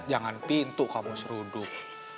jangan pintu kamu seruduk